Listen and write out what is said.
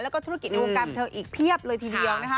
แล้วก็ธุรกิจในวงการบันเทิงอีกเพียบเลยทีเดียวนะคะ